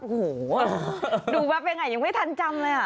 หูอ่ะดูแบบยังไงยังไม่ทันจำเลยอ่ะ